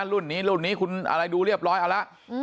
รุ่นนี้รุ่นนี้คุณอะไรดูเรียบร้อยเอาละ